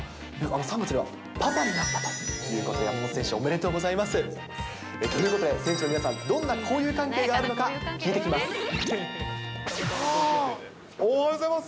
３月には、パパになったということで、山本選手、おめでとうございます。ということで改めて選手の皆さん、どういう交友関係があるのか聞いてきます。